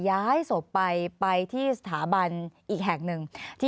อันดับสุดท้ายแก่มือ